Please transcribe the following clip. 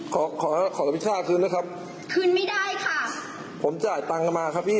ขอขอขอวิชาคืนนะครับคืนไม่ได้ค่ะผมจ่ายตังค์มาครับพี่